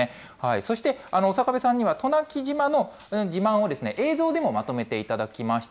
そして刑部さんには渡名喜島の自慢を映像でもまとめていただきました。